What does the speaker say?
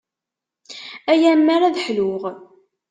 Ay ammer ad ḥluɣ.